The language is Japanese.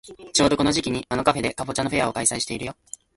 ちょうどこの時期にあのカフェでかぼちゃのフェアを開催してるよ。